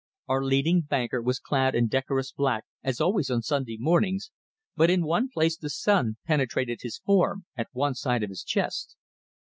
Our leading banker was clad in decorous black, as always on Sunday mornings, but in one place the sun penetrated his form at one side of his chest.